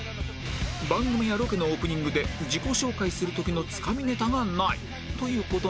番組やロケのオープニングで自己紹介する時のつかみネタがないという事なのですが